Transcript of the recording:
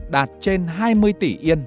đạt trên hai mươi tỷ yên